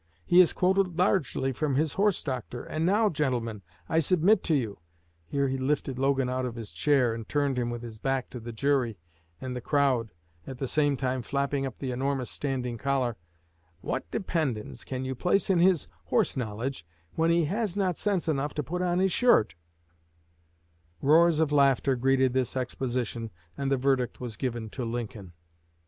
He has quoted largely from his 'horse doctor,' and now, gentlemen, I submit to you," (here he lifted Logan out of his chair, and turned him with his back to the jury and the crowd, at the same time flapping up the enormous standing collar) "what dependence can you place in his horse knowledge, when he has not sense enough to put on his shirt?" Roars of laughter greeted this exposition, and the verdict was given to Lincoln.